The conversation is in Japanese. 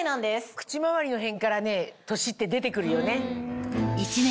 口周りの辺から年って出て来るよね。